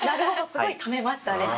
すごいためましたね。